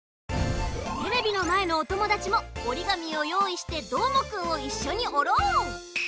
テレビのまえのおともだちもおり紙をよういしてどーもくんをいっしょにおろう！